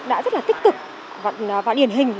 đã rất là tích cực và điển hình